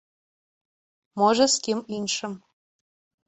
Можа, з кім іншым.